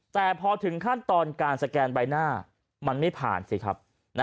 แต่พอถึงขั้นตอนการสแกนใบหน้ามันไม่ผ่านสิครับ